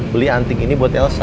beli antik ini buat elsa